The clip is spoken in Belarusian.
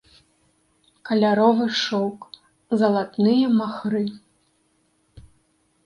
Каляровы шоўк, залатныя махры.